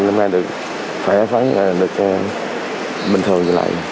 nên mai được khỏe khỏe được bình thường lại